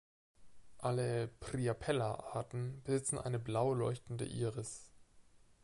Alle "Priapella"-Arten besitzen eine blau leuchtende Iris.